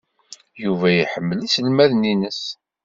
Yuba iḥemmel iselmaden-nnes.